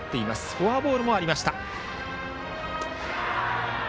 フォアボールもありました。